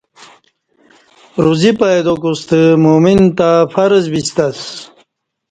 روزی پیدا کوستہ مؤمن تہ فرض بیستہ اسہ